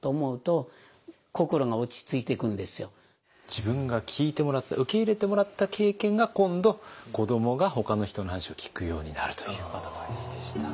自分が聞いてもらった受け入れてもらった経験が今度子どもがほかの人の話を聞くようになるというアドバイスでした。